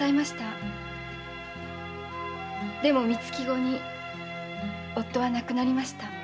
でも三月後に夫は亡くなりました。